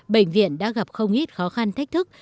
bệnh viện đã gặp không ít khó khăn thách thức